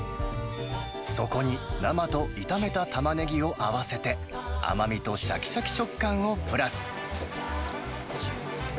そこに生と炒めたタマネギを合わせて、甘みとしゃきしゃき食感をプラス。